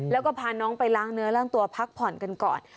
แล้วก็พาน้องไปล้างเนื้อล้างตัวพักผ่อนกันก่อน